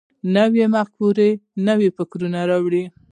نوې مفکوره نوی فکر راوړي